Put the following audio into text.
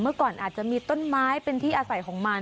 เมื่อก่อนอาจจะมีต้นไม้เป็นที่อาศัยของมัน